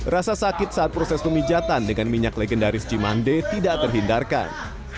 rasa sakit saat proses pemijatan dengan minyak legendaris cimande tidak terhindarkan